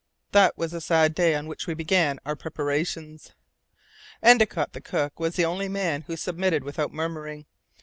That was a sad day on which we began our preparations. Endicott, the cook, was the only man who submitted without murmuring.